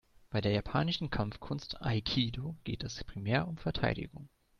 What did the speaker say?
Bei der japanischen Kampfkunst Aikido geht es primär um Verteidigung.